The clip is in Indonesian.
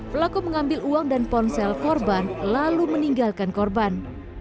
pelaku mengambil uang dan ponsel korban lalu meninggalkan korban